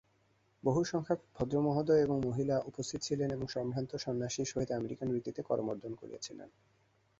বহুসংখ্যক ভদ্রমহোদয় ও মহিলা উপস্থিত ছিলেন এবং সম্ভ্রান্ত সন্ন্যাসীর সহিত আমেরিকান রীতিতে করমর্দন করিয়াছিলেন।